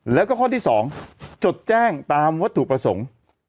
แล้วก็ข้อที่๒จดแจ้งตามวัตถุประสงค์